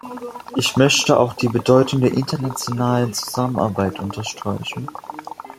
Ich möchte auch die Bedeutung der internationalen Zusammenarbeit unterstreichen.